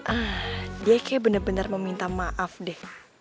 ah dia kayak bener bener meminta maaf deh